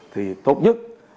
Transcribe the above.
thì tốt nhất